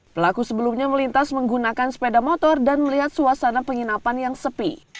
pelaku sebelumnya melintas menggunakan sepeda motor dan melihat suasana penginapan yang sepi